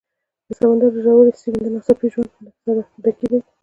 د سمندر ژورې سیمې د ناڅاپي ژوند سره ډکې دي.